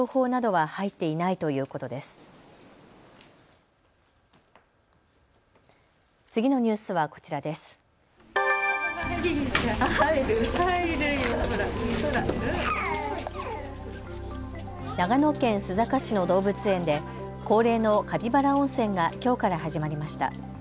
長野県須坂市の動物園で恒例のカピバラ温泉がきょうから始まりました。